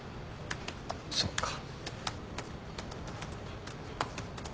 そっか。